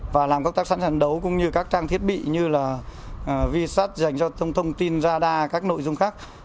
và làm công tác sẵn sàng đấu cũng như các trang thiết bị như là vi sát dành cho thông tin radar các nội dung khác